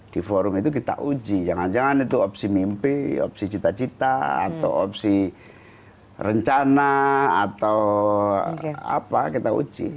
di forum itu kita uji jangan jangan itu opsi mimpi opsi cita cita atau opsi rencana atau apa kita uji